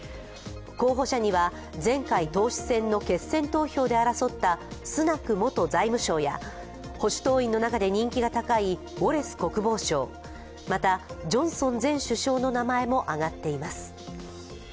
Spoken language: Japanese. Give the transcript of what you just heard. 候補者には、前回党首選の決選投票で争ったスナク元財務相や保守党員の中で人気の高いウォレス国防相、また、ジョンソン前首相の名前も挙がっています。